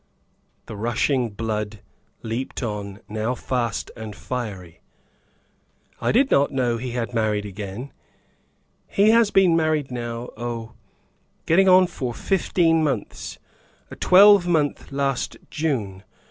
The rushing blood leaped on now fast and fiery. "I did not know he had married again." "He has been married now oh, getting on for fifteen months; a twelvemonth last June.